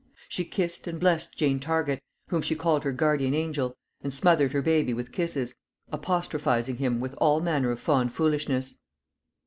She kissed and blessed Jane Target, whom she called her guardian angel; and smothered her baby with kisses, apostrophising him with all manner of fond foolishness.